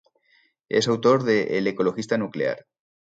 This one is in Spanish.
Es autor de "El ecologista nuclear.